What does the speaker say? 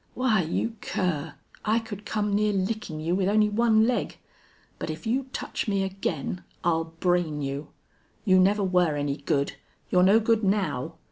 Why, you cur, I could come near licking you with only one leg. But if you touch me again I'll brain you!... You never were any good. You're no good now.